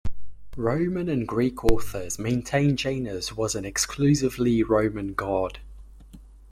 Roman and Greek authors maintained Janus was an exclusively Roman god.